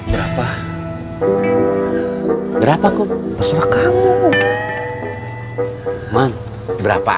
waalaikumsalam kang nga ceng